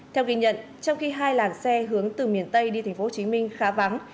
theo kỳ nhận trong khi hai làng xe hướng từ miền tây đi tp hcm khá vắng